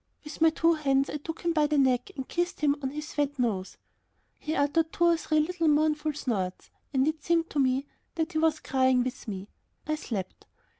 With my two hands I took him by the neck and kissed him on his wet nose. He uttered two or three little mournful snorts, and it seemed to me that he was crying with me. I slept.